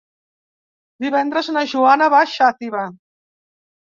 Divendres na Joana va a Xàtiva.